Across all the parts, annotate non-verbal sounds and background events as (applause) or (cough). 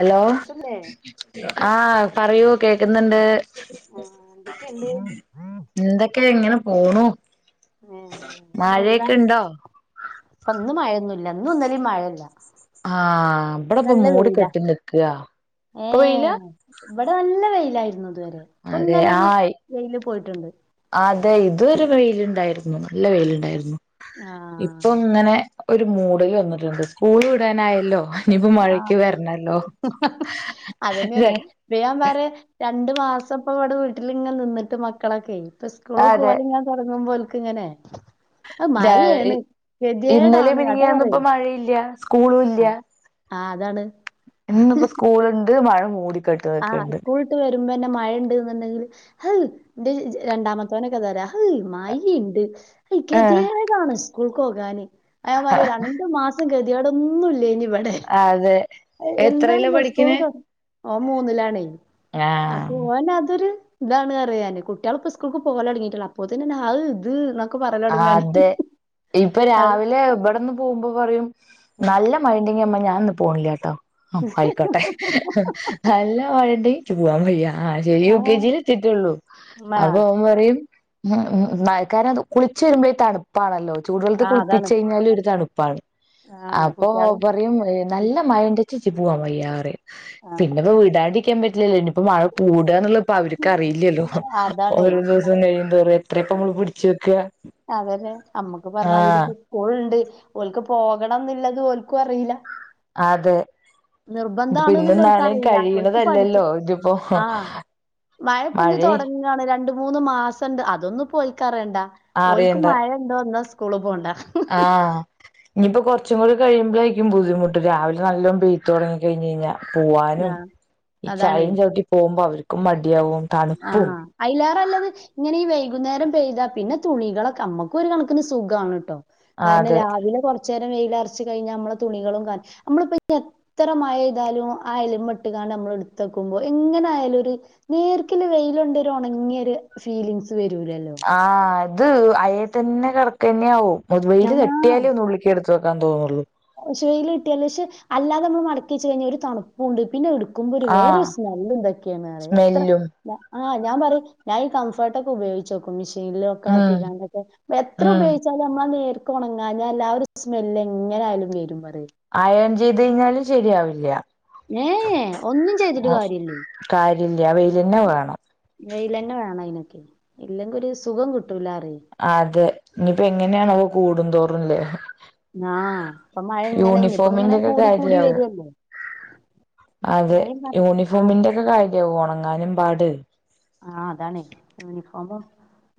hello ക്ന്നേ ആഹ് പറയൂ കേക്ക്‌ന്ന്ണ്ട് എന്തക്കെണ്ട് എന്തക്കെ ഇങ്ങന പോണു ഏ എന്താ മഴെക്ക‌ണ്ടോ ഇപ്പ ഇന്ന് മഴയൊന്നുല്ല ഇന്നു ഇന്നലിം മഴല്ല ആഹ് ഇബടപ്പം മൂടി കെട്ടി നിക്ക ഇപ്പ വെയ്ലാ ഇബട നല്ല വെയ്ലായിരുന്നു ഇതുവരെ ഇപ്പ അതെ ഇങ്ങനൊര് വെയ്ല് പോയ്ട്ട്ണ്ട് ആതെ ഇത് വരെ വെയ്ലിണ്ടായ്ര്ന്നു നല്ല വെയ്ല്ണ്ടാര്ന്നു ഇപ്പൊ ആഹ് ഇങ്ങനെ ഒര് മൂഡല് വന്ന്ട്ട്ണ്ട് സ്കൂള് വിടാനായല്ലോ ഇനിപ്പ ആഹ് മഴക്ക് വര്ണല്ലോ (unintelligible) പെയ്യാം പറെ രണ്ട് മാസപ്പ ഇവട വീട്ടിലിങ്ങനെ നിന്ന്ട്ട് മക്കളെക്കെ ഇപ്പ സ് കുളു അതെ പോവല്ങ്ങനെ തൊടങ്ങ്മ്പ ഓൽക്ക്ങ്ങനെ ജാഴ്ഇ ഇന്നലിം അതാ മിനിഞ്ഞ്യാന്ന്പ്പ പറയ് മഴയില്ല്യാ കൂള് ഇല്ല്യ ആഹ് അതാണ് ഇന്ന്പ്പ സ്കൂള്ണ്ട് മഴ മൂടികെ ആഹ് സ്കൂൾട്ട് വരുമ്പന്ന മഴണ്ട്ന്ന്ണ്ടെങ്കില് (unintelligible) എന്റെ ജ് രണ്ടാമത്തൊനക്കെന്താ പറയ ഹ് മയി ഇണ്ട് (unintelligible) ഏഹ് കെതിയേടാണ് സ്കൂൾക്ക്‌ പോകാന് അയാ പറെ രണ്ട് മാസം കെതിയേടൊന്നു ഇല്ലേന് ഇവ ടെ അതെ എന്താണ് എത്രയിലാ മ്മാ സ്കൂള് പഠിക്കണേ (unintelligible) മൂന്ന്ലാണെ അപ്പൊ ആഹ് ഓന അതൊര് ഇതാണ് അറെ ഞാന് കുട്ടികളിപ്പോ സ്കൂൾക്ക്‌ പോവല് തൊടങ്ങിട്ടൊള്ള് അപ്പോത്തെന് ആഹ് ഇത് നൊ ആതെ ഇപ്പ അത് രാവിലെ ഇബടെന്ന് പോവ്മ്പ പറയും ഉം നല്ല മഴെണ്ടെങ്കി അമ്മ ഞാൻന്ന് പോണില്ലാട്ടോ അ ആയ്ക്കോട്ടെ നല്ലാ മഴെണ്ടയ് നിക്ക് പോവാം വയ്യ ആ ശരി യു ആഹ് കെ ജ് എത്തിട്ടുള്ളൂ ഉമ്മ അപ്പൊ പറയും ഉം ഉംമഴക്കാലതു കുളിച്ച് വര്മ്പ ഇ തണു പ്പാണല്ലോ ചൂട് വെള്ളത്തി ആഹ് അതാണ് കുളിപ്പിച്ച് കയ്ഞ്ഞാലു ഒര് തണുപ്പാണ് ആഹ് അപ്പൊ കുട്ടികള് നല്ല മയണ്ടിങ്ങി ഇച്ചിച്ചി പോവൻയ്യന്നറയും ആഹ് പിന്നപ്പ വിടാണ്ട് ഇരി ക്കാൻ പറ്റില്ലല്ലോ ഇനിപ്പ മഴ കൂടാന്നള്ള അവർക്ക്റിയില്ലല്ലോ അതാണേ ഓരോ ദിവസം കഴിയുന്തോറും എത്ര ഇപ്പ നമ്മള് പിടിച്ചു വെക്കുക അതല്ലേ അമ്മുക്ക് പറഞ്ഞാതിരിക്ക സ്കൂൾ ഉണ്ട് ഒൽക്ക് പോകണം എന്നുള്ളത് ഓല്ക്കും അറിയില്ല അതെ ഇത്പ്പോ ഇന്ന നിർബന്ധാണ്ന്ന്ള്ള നാള ഓൽക്കറിയില്ല ഓൽക്ക് കഴിയണതല്ലല്ലോ ഇതിപ്പോ മഴപ്പുഞ്ഞി മഴയും തുടങ്ങിയാണ് രണ്ടും മൂന്ന് മാസം ഉണ്ട് അതൊന്നും പോഓലക്കറേണ്ട ഓലക്ക് അറിയണ്ട മഴ ഇണ്ടോ എന്നാ സ്കൂള് പോകണ്ട ആഹ് ഇനിയിപ്പൊ കൊറച്ചും കൂട കഴിയുമ്പോഴായിരിക്കും ബദ്ധിമുട്ട് രാവിലെ നല്ല പെയ്ത് തുടങ്ങി കഴിഞ് കഴിഞ്ഞാ പോവാനും ആഹ് ഈ അതാണേ ചളിയും ചവിട്ടി പോകുമ്പോ അവർക്കും മടിയവും ആഹ് അയലാറല്ലത് ഇങ്ങനെ ഈ വൈകുന്നേരം പെയ്താ പിന്നെ തുണികളൊക്കെ നമ്മക്ക ഒരു കണക്കിന് സുഖമാണ് കേട്ടോ ആഹ് കാരണം അതെ രാവിലെ കുറച്ചു നേരം വെയിലരച്ച കഴിഞ്ഞാൽ നമ്മളെ തുണികളും കാണ നമ്മളിപ്പ ഇത്ര മഴ താലും ആയാലും വട്ട്കാണ്ട് നമ്മൾ എടുത്തക്കുമ്പോ എങ്ങനെ ആയാലും ഒരു നേർക്കല് വെയിലുണ്ടരു ഉണങ്ങിയൊ ഒരു ഫീലിംഗ്സ് വരൂലല്ലോ ആഹ് അത് അയൽ തന്നെ കിടക്ക തന്നെയ ആവും മുതുവെയിൽ ആ തെട്ടിയാലേ ഒന്നുള്ള ലേക്ക് എടുത്തക്കന്തോന്നള്ളൂ മുശി വെയിൽട്ടിയാല് പക്ഷെ അല്ലാതെ നമ്മൾ മടക്കി വെച്ച് കഴിഞ്ഞാ ഒരു തണുപ്പുണ്ട് പിന്നെ എടു ആഹ് കുംമ്പോഒരുവേറെരു സ്മെല് എന്തൊക്കെയാണ് പറയ അത്ര സ്മെല്ലും ആഹ് ഞാൻ പറയും ഞാൻ കംഫേർട്ട് ഒക്കെ ഉപയോഗി ച്ച് ഓക്കും മെഷീനിലൊക്കെ ഉം ആക്കിക്കാണ്ട് ഒക്കെ എത്ര ഉം ഉപയോഗിച്ചാലുംമ്മ നേ ഉണങ്ങാഞ്ഞാ എല്ലാവരും സ്മെല് എങ്ങനെ ആയാലും വരും പറ ആയൺ ചെയ്ത് കഴിഞ്ഞാലും ശരിയാവില്ല ഏഹ് ഒന്നും ചെയ്തിട്ട് ആഹ് കാര്യല്ലേ കാര്യില്ല വെയിൽന്നെ വേണം വെയിൽന്നെ വേണം അതിനൊക്കെ ഇല്ലെങ്കിൽ ഒരു സുഖം കിട്ടൂലാറിയും അതെ ഇനിയിപ്പോ എങ്ങനെയണ കൂടുന്തോറുംല്ലേ ആഹ് അപ്പൊ മഴ ഇങ്ങനെ ഇപ്പ യൂണിഫോമിന്റെ ഇങ്ങനെ ഒക്കെ കൂടി കൂടി കാര്യാവും വരുല്ലേ അതെ ആഹ് യൂണിഫോമിന്റെ ഒക്കെ കാര്യയാക ഉണങ്ങാനും പാട് ആ അതാണ് യൂണിഫോമ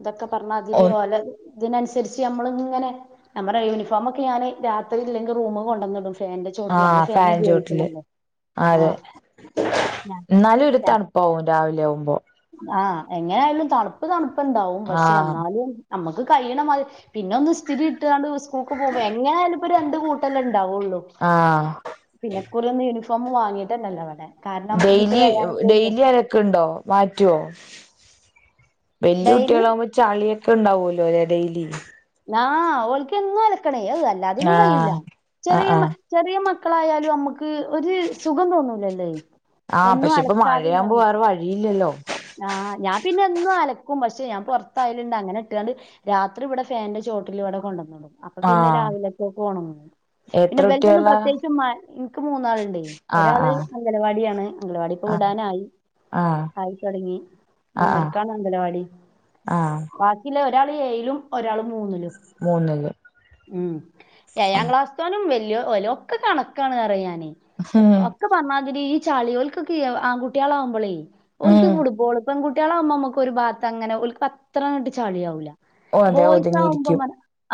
ഇതൊക്കെ പറഞ്ഞാ ഒ അതിരി ഒല ഇതിനനുസരിച്ച് നമ്മള ഇങ്ങനെ നമ്മുടെ യൂണിഫോമ ഒക്കെ ഞാന് രാത്രി ഇല്ലെങ്കിൽ റൂമ കൊണ്ടുവന്നിടും ആഹ് ഫാൻചോട്ടില് അതെ ആഹ് എന്നാലും ഒരു തണു പോവും രാവിലെ ആവുമ്പോ ആഹ് എങ്ങനെ ആയാലും തണുപ്പ് തണുപ്പുണ്ടാവും പക്ഷെ ആഹ് എന്നാലും നമ്മുക്ക് കഴിയണ മാതിരി പിന്നെ ഒന്ന് സ്ഥിരി ഇട്ടാണ്ട് സ്കൂൾക്ക് പോകുമ്പോ എങ്ങനെയാലും ഒരുരണ്ട് കൂട്ടല് ഉണ്ടാവുള്ളൂ ആഹ് പിന്നെ കുറെം യൂണിഫോം വാങ്ങിട്ട് നല്ലവടെ ഡെയിലി ഡെയിലി അലക്ക് ഉണ്ടോ മാറ്റുവോ വല്യ ഡെയിലി കുട്ടികളാകുമ്പൊ ചാളിയൊക്കെ ഉണ്ടാവുമല്ലോ അല്ലേ ഡെയിലി ആഹ് ഓൾക്കെന്നും അലക്കണേ അല്ലാതൊന്നും കഴിയൂല ആഹ് ആഹ് ചെറിയ ആഹ് മക് ചെറിയ മക്കളായാലും നമ്മുക്ക് ഒരു സുഖം തോന്നൂലല്ലേ ആഹ് എന്നും പക്ഷെ ഇപ്പ അലക്കാതെ ഇണ്ടാ മഴയാവുമ്പോ വേറെ വഴിയില്ലല്ലോ ആഹ് ഞാൻ പിന്നെ എന്നും അലക്കും പക്ഷെ ഞാൻ പുറത്തായലുണ്ട് അങ്ങനെ ഇട്ടാണ്ട് രാത്രി ഇവിടെ ഫാന്റെ ചോട്ടിൽ ഇവിടെ കൊണ്ടുവന്നിടും അപ്പൊ പിന്നെ ആഹ് രാവിലത്തെക്ക് ഒണങ്ങും പിന്നെ എത്ര ഇവൽതൊന്ന് കുട്ടികളാ പ്രത്യേകിച്ചും മ എനിക്ക് മൂന്നാളുണ്ടെ ആഹ് ഒരാള് അംഗനവാടിയാണ് അംഗനവാടി ഇപ്പോ ആഹ് വിടാനായി ആഹ് തുടങ്ങി ആഹ് മൂന്നരക്കാണ് അംഗലവാടി ആഹ് ആഹ് ഇല്ല ഒരാള് ഏഴിലും ഒരാൾ മൂന്നിലും മൂന്നില് ഉം ഉം ഏഴാം ക്ലാസ്സത്തോനും വല്ലിയോ ഓലോകെ കണക്കാണ് റിയാന് ഹ്ഹ പറന്നാതിരി ഈ ചളിയോൽക്കൊക്കെ ആൺ കുട്ടികളാകുമ്പോളേ ഓൽക്ക് ഉം ഫുട്ബോൾ പെൺകു ട്ടികളവുമ്പോ നമുക്ക് ഒരു ഭാഗത്ത് അങ്ങനെ ഓൽക്ക് അത്രങ്ങട്ട് ചളിയാവൂല്ല ഓ അതെ ബോയ്സ് ആവുമ്പോ ഒതുങ്ങിയിരിക്കും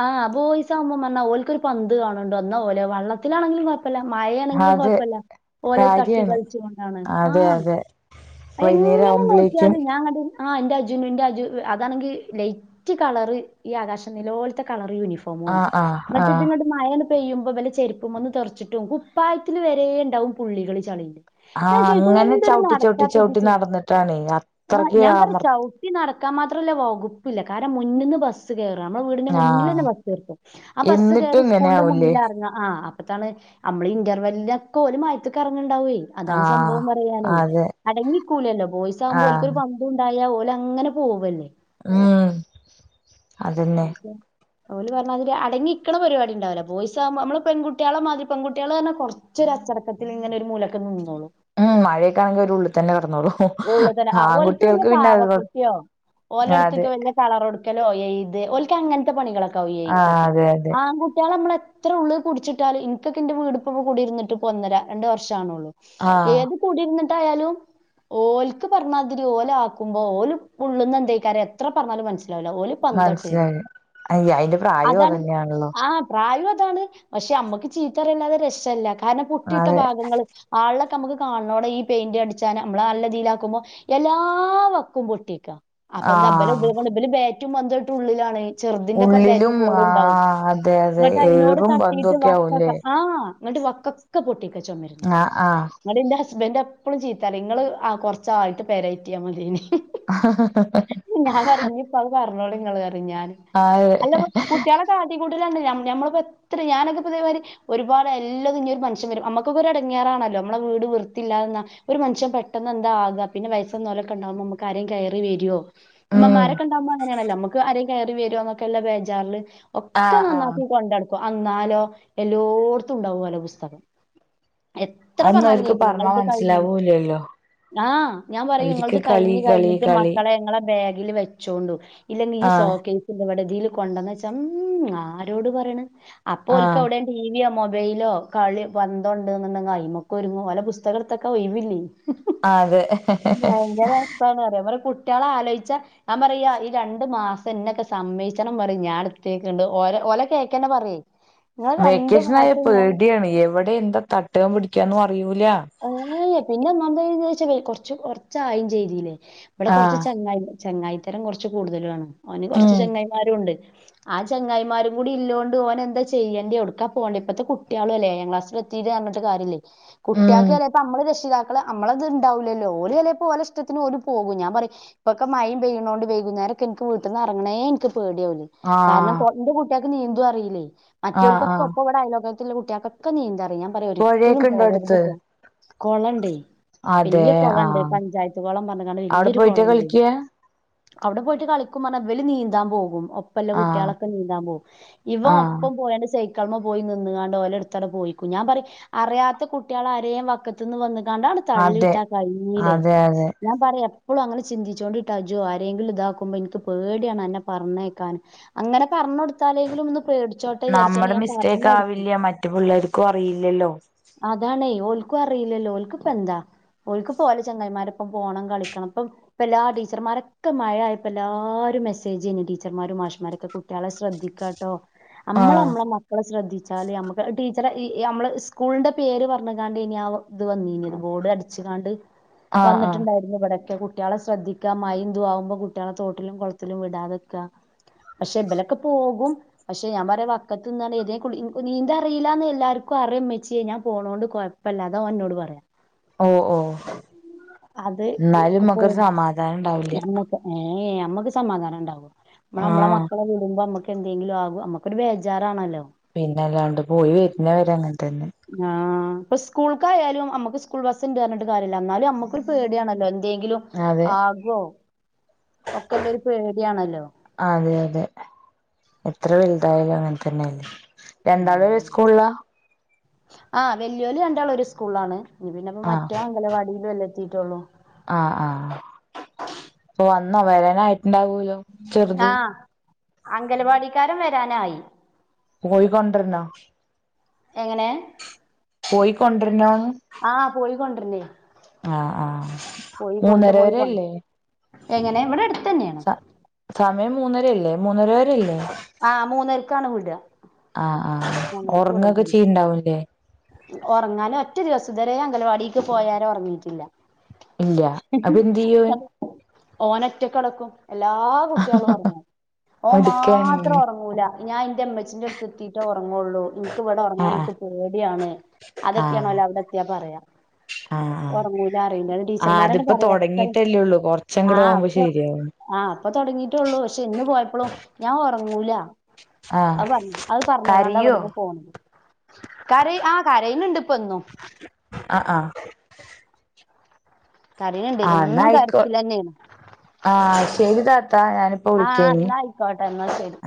ആഹ് ബോയ്സാകുമ്പം പറഞ്ഞാ ഓൽക്കൊരു പന്ത് കാണുണ്ടോ ന്നാ ഓലെഹ് വള്ളത്തിലാണെങ്കിലും കൊയപ് പ്പല്ല മഴയാണെങ്കിലും അതെ കുഴപ്പല്ല ഓലെ തട്ടി കാര്യാണ് കളിച്ചുകൊണ്ടാണ് അതെ ആഹ് അതെ വൈകുന്നേരം എങ്ങനെ ആവുമ്പോഴേക്കും നോക്കിയാലും ഞാൻ ങ്ങട്ട് ആഹ് ഇന്റെ അജുന് എന്റെ അജു അതാണെങ്കിൽ ലൈറ്റ് കളർ ഈ ആകാശം നിലോല്ത്തെ കളർ യൂണിഫോം ഫോമു ആണ് ആഹ് ആഹ് ന്നട്ട് ആഹ് ഇത്ങ്ങട്ട് ഈ മഴങ്ങട്ട് പെയ്യുമ്പോ ഇവലെ ചെരുപ്പുമന്ന് തെറച്ചിട്ടും കുപ്പായത്തില് വരെ ഇണ്ടാവും പുള്ളികള് ചളി ഞാൻ ആഹ് ചോദിക്കൂ അങ്ങനെ എന്തൊരു ചവിട്ടി ചവിട്ടി നടച്ചാപ്പതി ചവിട്ടി ചെയ്യ നടന്നിട്ടാണേ ആ അത്രയ്ക്ക് ഞാൻ പറയ അമർ ചൗ ഈ നടക്കാൻ മാത്ര ഉള്ളെ വകുപ്പില്ല കാരണം മുന്നിന്ന് ബസ്സ് ബസ് കയറാ നമ്മുടെ വീടിന്റെ ആഹ് മുന്നിലന്നെ ബസ് നിർത്തും ആ ബസ്സ് എന്നിട്ടും കയറി ഇങ്ങനെ സ്കൂളിന്റെ ആവൂലേ മുന്നിലാ ഇറങ്ങ ആഹ് അപ്പ ഇതാണ് നമ്മള് ഇന്റർവെല്ലിലക്കെ ഓൽ മഴത്ത്ക്ക് ഇറങ്ങുണ്ടാവെ അതാണ് ആഹ് സംഭവം പറയാനേ അതെ അടങ്ങി നിക്കൂല്ലലോ ബോയിസ് ആകുമ്പോ ഓൽക്കൊരു ആഹ് പന്തും ഉണ്ടായാൽ ഓൽ അങ്ങനെ പോവല്ലേ ഉം അതന്നെ അതെ ഓല് പറഞ്ഞാതിരി അടങ്ങിനിക്ക്ണ പരിപാടിണ്ടാവൂല ബോയിസ് ആവുമ്പോ നമ്മള് പെൺകുട്ടികളെ മാതിരി പെൾകുട്ടികള് പറഞ്ഞാ കൊറ ച്ചൊരു അച്ചടക്കത്തിൽ ഇങ്ങനെ ഒരുമൂലക്ക് നിന്നോളും ഉം മഴയൊക്കാണെങ്കിൽ ഓര് ഉള്ളിൽ തന്നെ കിടന്നോളും ഉള്ളിൽ തന്നെ ആ ഓൽക്ക് വലിയ പാവ കുട്ടിയോ ഓലടുത്തക്ക് അതെ വല്ല കളർ കൊടുക്കലോ എഴുത് ഓൽക്ക് അങ്ങനത്തെ പണികളൊക്കെ ആവും ആഹ് എയ്ത്തൊക്കെ അതെ അതെ ആൺ കുട്ടികളെ നമ്മള് എത്ര ഉള്ള് പിടിച്ചിട്ടാലും ഇനക്കൊക്കെ എന്റെ വീടിപ്പൊ കൂടിരുന്നിട്ട് ഇപ്പോ ഒന്നര രണ്ട് വർഷാവുന്നോള്ളു ആഹ് ഏത് കൂടിയിരുന്നിട്ടായാലും ഓൽക്ക് പറഞ്ഞാതിരി ഓലാക്കുമ്പോ ഓല് ഉള്ള്ന്ന് എന്തേകാരം എത്ര പറഞ്ഞാലും മനസ്സിലാവില്ല ഓല് പന്തട്ട് മനസ്സിലാവില്ല അയ് അയിന്റെ പ്രായം അത് അതാണ് തന്നെയാണല്ലോ ആഹ് പ്രായം അതാണ് പക്ഷെ അമ്മക്ക് ചീത്തറയല്ലാതെ രക്ഷയില്ല കാരണം പുട്ടിയിട്ട അതെ ഭാഗങ്ങള് ഹാളിലൊക്കെ നമ്മക് കാണുന്നോടം ഈ പെയിന്റ് അടി ചാന് നമ്മള് നല്ലതിയിലാക്കുമ്പോ എല്ലാ വക്കും പൊട്ടിക്കാ അപ്പൊ എന്താ ആഹ് (unintelligible) ഇബല് ബാറ്റും പന്തു ആയിട്ട് ഉള്ളിലാണ് ചെറുതിന്റെപ്പം ബാറ്റും ഉള്ളിലും ബോളും ഉണ്ടാവും ആഹ് അതെ അതെ ങ്ങട്ട് അതിനോട് ഏറും പന്തും തട്ടിട്ട് ഒക്കെ ആവൂല്ലേ വക്കൊക്കെ ആഹ് ങ്ങട്ട് വക്കൊക്കെ പൊട്ടിക്ക ചുമര്ന്റെ ആഹ് ആഹ് ങ്ങട്ട് ഇന്റെ ഹസ്ബന്റ് എപ്പളും ചീ ത്തറിം ഇങ്ങള് ആഹ് കൊറച്ചായിട്ട് പെരേറ്റിയാ മതിയേനി ഞാൻ പറയും ഇഞ്ഞ്പ്പ അത് പറഞ്ഞോളി ഇങ്ങള് പറയും ഞാന് അതെ അല്ല കുട്ടികളെ കാട്ടി കൂട്ടലാണ് ഞമ്മ ഞമ്മളിപ്പോ എത്ര ഞാനൊക്കെപ്പ ഇതേമാതിരി ഒരുപാട് എല്ലതും ഇനി ഫങ്ക്ഷന് വരും നമ്മക്കൊക്കെ ഒരു എടങ്ങേറാണല്ലോ നമ്മളെ വീട് വൃത്തിയില്ലാതെന്നാ ഒരു മനഷ്യൻ പെട്ടന്ന് എന്താ ആക പിന്നെ വയസ്സെന്നോലൊക്കെ ഇണ്ടാവുമ്പോ നമ്മക്കാരേം കയറി വരുവോ ഉം ഇമ്മമാരൊക്കെണ്ടാകുമ്പോ അങ്ങനെയാണല്ലോ നമുക്ക് ആരേം കയറി വരുന്നൊക്കെയുള്ള ബേജാറില് ഒക്കെ ആഹ് ആഹ് നന്നാക്കി കൊണ്ടടക്കും അന്നാലോ എല്ലോട്ത്തും ഉണ്ടാവും ഓലെ പുസ്തകം എത്ര പറഞ്ഞാലും കേക്കൂല ഇങ്ങ് ഇത് കഴിഞ്ഞ് ഉല്ലല്ലോ ആഹ് ഞാൻ പറയും ഇങ്ങൾത് കഴിഞ്ഞ് കളി കഴിഞ്ഞിട്ട് കളി മക്കളെ ഇങ്ങളെ ബാഗിൽ വെച്ചോണ്ടു ഇല്ലെങ്കി ഈ ആഹ് സോകേസിന്റെ ബടെ ഇതില് കൊണ്ടന്നെച്ചാ ഉം ആരോട് പറയ്ണ് അപ്പോ ഓൽക്ക ആഹ് അവ്ടെ ടിവിയോ മൊബൈലോ കളി പന്തോ ണ്ട് ന്നുണ്ടെങ്കിൽ അയിമക്ക് ഒരുങ്ങു ഓലെ പുസ്തകം എടുത്തെക്കാൻ ഒഴിവില്ലേ അതെ ഭയങ്കര രസാണ് പറയ ഇവലെ കുട്ട്യാളെ ആലോചിച്ച ഞാൻ പറയാ ഈ രണ്ട് മാസം ഇന്നെകെ സമ്മയിച്ചണം പറയും ഞാൻ ഇട്തൈകണ്ട് ഓലെ ഓലെ കേക്കന്നെ പറയേ ഇങ്ങള് രണ്ട് വെക്കേഷൻ ആയ മാസം ഞാൻ പേടിയാണ് എവിടെ എന്താ തട്ട പിടിക്കാന്നും അറിയൂല അങ്ങനെ പിന്നെ ഒന്നാമത് എന്നെച്ചാ കൊറച്ച കൊറച്ചായിം ചെയ്തിലേ ഇവിടെ കൊറച്ച് ആഹ് ചങ്ങായി ചെങ്ങായിത്തരം കൊറച്ച് കൂടുതലും ആണ് ഓന് ഉം കൊറച്ച് ചെങ്ങായിമാരും ഉണ്ട് ആ ചങ്ങായിമാരും കൂടി ഇല്ലോണ്ട് ഓനെന്താ ചെയ്യേണ്ടി എവ്ടുക്കാ പോണ്ട്യെ ഇപ്പത്തെ കുട്ട്യളു അല്ലേ ഏഴാം ക്ലാസില് എ ത്തീണ് പറഞ്ഞിട്ട് കാര്യല്ലേ ട്ട്യാക്ക്‌ ഉം ചെലപ്പൊ നമ്മള് രക്ഷിതാക്കള് നമ്മളത് ഉണ്ടാവുലല്ലോ ഓല് ചെലപ്പോ ഓലെ ഇഷ്ടത്തിന് ഓല് പോകും ഞാൻ പറയും ഇപ്പൊക്ക മഴിം പെയ്യ്ണോണ്ട് വൈകുന്നേരൊക്കെ ഇൻക്ക് വീട്ടിന്ന് എറങ്ങ്ണേ ഇൻക്ക് പേടിയാവോല് കാരണം ആഹ് കൊ ഇന്റെ കുട്ട്യാക്ക് നീന്തും അറിയില്ലേ ആഹ് മറ്റോൽക്കൊക്കെ ആഹ് ഒപ്പം ഇവടെ അയലോക്ക ത്ത്ള്ള കുട്ട്യാക്കൊക്കെ നീന്താറിയാ ഞാൻ പറയാ ഒരിക്കലും പൊഴയൊക്കെ ഇണ്ടോ അടുത്ത് പോവരുത്ട്ടോ കൊളണ്ടേയ് അതെ വല്യ കൊളണ്ട് ആഹ് പഞ്ചായത്ത് കൊളം പറഞ്ഞ്ങ്ങാണ്ട് അവിടെ വല്യൊരു പോയിട്ടാ കൊളണ്ട് കളിക്ക അവ്ടെ പോയിട്ട് കളിക്കും പറഞ്ഞ ഇവല് നീന്താൻ പോകും ഒപ്പംല്ല ആഹ് കുട്ട്യാളൊക്കെ നീന്താൻ പോകും ഇവൻ ആഹ് ഒപ്പം പോയാണ്ട് സൈക്കളിമ്മേ പോയി നിന്ന്ങ്ങാണ്ട് ഓലെ അടാത്തടെ പോയിക്കും ഞാൻ പറയും അറിയാത്ത കുട്ട്യളാ രേം വക്കത്ത്ന്ന് വന്ന്ങ്ങാണ്ട് അങ്ങട് അതെ തള്ളിയിട്ടാ കഴിഞ്ഞ്ലേ അതെ അതെ ഞാൻ പറയും എപ്പളും അങ്ങനെ ചിന്തിച്ചോണ്ടിട്ടാ അജോ ആരെങ്കിലും ഇതാക്കുമ്പോ എനിക്ക് പേടിയാണ് അന്നെ പറഞ്ഞയക്കാന് അങ്ങനെ പറഞ്ഞ് കൊടുത്താലെങ്കിലും ഒന്ന് പേടി നമ്മടെ മിസ്റ്റേക്ക് ആവില്ല മറ്റ് പിള്ളേർക്കും അറിയില്ലല്ലോ അതാണേ ഓൽക്കും അറീലല്ലോ ഓൽക്കിപ്പ എന്താ ഓല്ക്കിപ്പം ഓലെ ചങ്ങായിമാരൊപ്പം പോണം കളിക്കണം ഇപ്പം ഇപ്പ എല്ലാ ടീച്ചർമാരൊക്കെ മഴയായപ്പോ എല്ലാരും മെസേജന്നെ ടീച്ചർമാരും മാഷമാരൊക്കെ കു ട്ട്യാളെ ശ്രെദ്ധിക്കാട്ടോ അമ്മള് ആഹ് അമ്മളെ മക്കളെ ശ്രദ്ധിച്ചാല് അമ്മക്ക് ടീച്ചറെ നമ്മള് സ്കൂളിന്റെ പേര് പറഞ്ഞ് ങ്ങാണ്ടേനി ആഹ് ഒ ഇത് വന്നീനിയത് ബോർഡ് അടിച്ച്കാണ്ട് ആഹ് ആഹ് വന്ന്ട്ട്ണ്ടായി ന്ന് ഇവടൊക്കെ കുട്ട്യാളെ ശ്രദ്ധിക്ക മഴിം ഇതു ആവുമ്പോ കുട്ട്യാളെ തോട്ടിലും കൊളത്തിലും വിടാതെക്കാ പക്ഷെ ഇബലൊക്കെ പോകും പക്ഷെ ഞാൻ പറയാ വക്കത്ത് നിന്ന്ങ്ങാണ്ട് ഇതേ കുളി നീന്താറിയില്ലാന്ന് എല്ലാർക്കും അറിയ ഇമ്മച്ചിയെ ഞാൻ പോണോണ്ട് കൊഴ് പ്പല്ലാന്നാ ഓൻ ഇന്നോട് പറയ ഓഹ് ഓഹ് അത് ഇന്നാലും മ്മക്കൊരു പോവും സമാധാനം ഇണ്ടാവുല്യ ഞമ്മക്ക് ഏഹ് അമ്മക്ക് സമാധാനം ഇണ്ടാവോ അമ്മള് അമ്മളെ ആഹ് മക്കളെ വിടുമ്പോ അമ്മക്ക് എന്തെങ്കിലും ആകോ അമ്മക്കൊരു ബേജാറാണല്ലോ പിന്നെല്ലാണ്ട് പോയി വരുന്നവരെ അങ്ങൻ തന്നെ ആഹ് ഇപ്പൊ സ്കൂൾക്കായാലും അമ്മക്ക് സ്കൂൾ ബസ് ഉണ്ട്ന്ന് പറഞ്ഞിട്ട് കാര്യല്ല എന്നാലും അമ്മക്കൊരു പേടിയാണല്ലോ എന്തേങ്കിലും അതെ ആകോ ഒക്കെല്ലെ ഒരു പേടിയാണല്ലോ ആഹ് അതെ അതെ എത്ര വലുതായാലും അങ്ങനെ തന്നെയല്ലേ രണ്ടാളും ഒരേ സ്കൂളിലാ ആഹ് വെല്യോല് രണ്ടാളും ഒരു സ്കൂളിലാണ് ഇപ്പ പിന്നെപ്പ ആഹ് മറ്റോൻ അംഗനവാടിയിലും അല്ലെ എത്തിറ്റൊള്ളു ആഹ് ആഹ് പ്പൊ വന്നോ വരാനായിട്ട്ണ്ടാവോലോ ആഹ് അംഗനവാടിക്കാരൻ വരാനായി പോയിക്കൊണ്ടരണോ എങ്ങനെ പോയിക്കൊണ്ടരനോ ആഹ് പോയികൊണ്ടരണേ ആഹ് ആഹ് മൂന്നര പോയി കൊ വരല്ലേ എങ്ങനെ ഇവിടെ അടുത്തന്നയാ സമയം മൂന്നരല്ലേ മൂന്നര വരെല്ലേ ആഹ് മൂന്നരക്കാണ് വിട ആഹ് ആഹ് ഒറങ്ങോക്ക ചെയ്യ്ണ്ടാവുംല്ലേ ഒറങ്ങാനും ഒറ്റ ദിവസ ഇതുവരെ അംഗലവാടിക്ക് പോയാലും ഒറങ്ങിയിട്ടില്ല ഇല്ല ഹി അപ്പൊ ഹി എന്ത് ചെയ്യും ഓൻ ഹി ഓനൊറ്റക്കെടക്കും എല്ലാ കുട്ടിയളൊറങ്ങും ഓം മിടുക്കൻ മാത്രം ഒറങ്ങൂല ഞാൻ ഇന്റെ ഇമ്മച്ചീന്റടുത്ത് എത്തീട്ടെ ഒറങ്ങോ ഉറങ്ങുള്ളൂ നിക്ക് ഇവിടെ ഒറങ്ങാൻ ആഹ് എനിക്ക് പേടിയാണ് ആഹ് അതൊക്കെയാണോലോ അവടെത്തിയാ പറയാ ആഹ് ആഹ് ഒറങ്ങൂലറിം ആഹ് ടീച്ചർമാരന്നെ അതിപ്പോ പറയാ അത്ര തുടങ്ങിട്ടല്ലേ ഉള്ളൂ ആ കൊറച്ചങ്ങട് ആവുമ്പോ ശരിയാവും അആ ഇപ്പൊ തൊടങ്ങിറ്റൊള്ളൂ പഷേ ഇന്ന് പോയപ്പളും ഞാൻ ഒറങ്ങൂല ആഹ് അഹ് പറഞ്ഞ അഹ് പറഞ്ഞ ന്നാണ്ട് കരയോ അവിടുന്ന് പോന്ന് കര ആ കരീണ് ഇണ്ട് ഇപ്പ ഇന്നും ആഹ് ആഹ് കരയ്ന്ണ്ട് എന്നും ആഇന്നയിക്കോ കരച്ചിലന്നേണ് ആഹ് ശരി താത്ത ഞാന് ആഹ് ഇന്നാ ഐയ്ക്കോട്ടെ ന്നാശരി